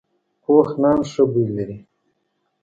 پوخ نان ښه بوی لري